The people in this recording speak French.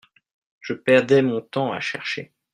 Je perdais mon temps à chercher.